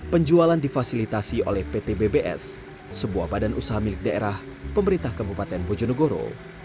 penjualan difasilitasi oleh pt bbs sebuah badan usaha milik daerah pemerintah kabupaten bojonegoro